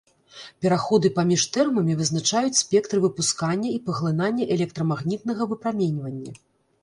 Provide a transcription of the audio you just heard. Пераходы паміж тэрмамі вызначаюць спектры выпускання і паглынання электрамагнітнага выпраменьвання.